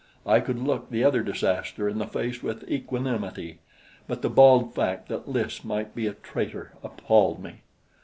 I could look the other disaster in the face with equanimity; but the bald fact that Lys might be a traitor appalled me.